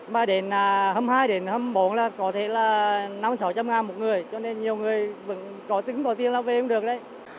mà đến hôm hai đến hôm bốn là có thể là năm trăm linh sáu trăm linh ngàn một người cho nên nhiều người vẫn có tiền lao về không được đấy